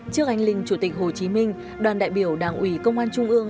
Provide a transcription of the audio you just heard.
trước anh linh chủ tịch hồ chí minh đoàn đại biểu đảng ủy công an trung ương